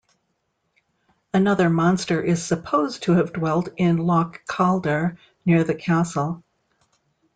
Another monster is supposed to have dwelt in Loch Calder near the castle.